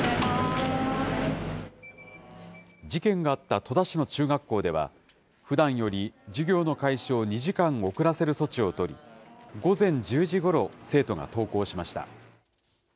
事件があった戸田市の中学校では、ふだんより授業の開始を２時間遅らせる措置を取り、午前１０時ごろ、生徒が登校しました。